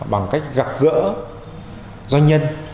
bằng cách gặp gỡ doanh nhân